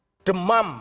di tengah rakyat demam